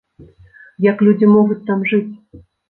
Як людзі могуць там жыць?